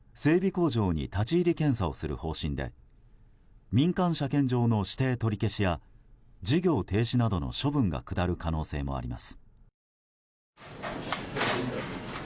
工場に立ち入り検査をする方針で民間車検場の指定取り消しや事業停止などの処分が下る可能性もあります。